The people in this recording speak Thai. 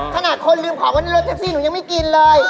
ขนาดคนลืมของไว้ในรถแท็กซี่หนูยังไม่กินเลย